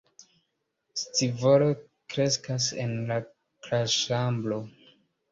Scivolo kreskas en la klasĉambro.